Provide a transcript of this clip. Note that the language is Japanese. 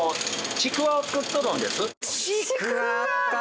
ちくわ。